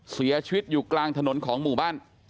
เสียชีวิตอยู่กลางถนนของหมู่บ้าน